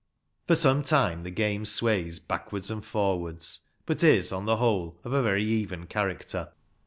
For some time the game sways backwards and forwards, but is, on the whole, of a very even character.